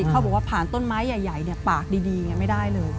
เขาบอกว่าผ่านต้นไม้ใหญ่เนี่ยปากดีอย่างนี้ไม่ได้เลย